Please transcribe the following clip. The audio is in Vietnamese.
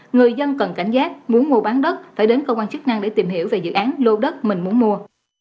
người dân cần cảnh giác muốn mua bán đất phải đến cơ quan chức năng để tìm hiểu về dự án lô đất mình muốn mua